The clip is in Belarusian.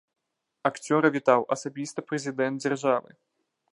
Акцёра вітаў асабіста прэзідэнт дзяржавы.